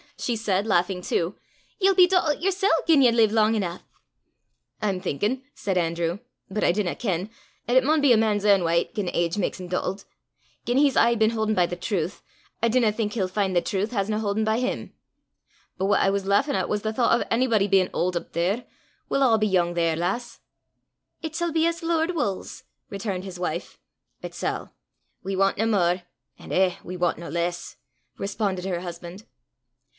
she said, laughing too. "Ye'll be dottlet yersel' gien ye live lang eneuch!" "I'm thinkin'," said Andrew, "but I dinna ken 'at it maun be a man's ain wyte gien age maks him dottlet. Gien he's aye been haudin' by the trowth, I dinna think he'll fin' the trowth hasna hauden by him. But what I was lauchin' at was the thoucht o' onybody bein' auld up there. We'll a' be yoong there, lass!" "It sall be as the Lord wulls," returned his wife. "It sall. We want nae mair; an' eh, we want nae less!" responded her husband.